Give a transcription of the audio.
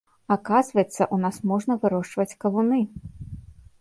Аказваецца, у нас можна вырошчваць кавуны.